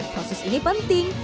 proses ini penting